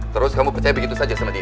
terus kamu percaya begitu saja sama dia